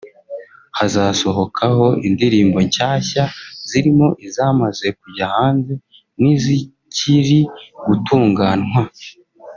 hazasohokaho indirimbo nshyashya zirimo izamaze kujya hanze n’izikiri gutungantwa